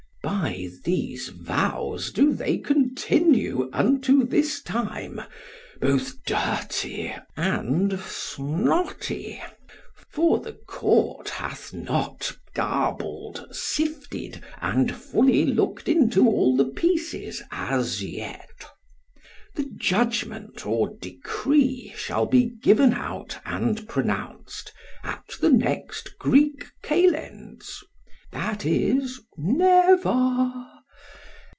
By these vows do they continue unto this time both dirty and snotty; for the court hath not garbled, sifted, and fully looked into all the pieces as yet. The judgment or decree shall be given out and pronounced at the next Greek kalends, that is, never.